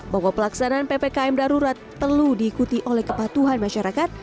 bahwa pelaksanaan ppkm darurat perlu diikuti oleh kepatuhan masyarakat